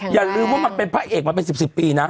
อย่าลืมว่ามันเป็นพระเอกมาเป็น๑๐ปีนะ